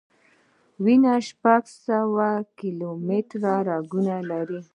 وینه شپږ سوه کیلومټره رګونه لري.